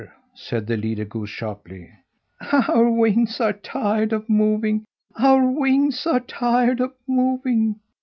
said the leader goose sharply. "Our wings are tired of moving, our wings are tired of moving!"